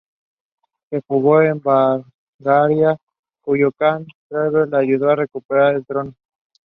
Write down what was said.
Later international and also younger artists were included.